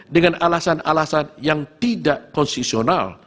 dengan alasan alasan yang tidak konstitusional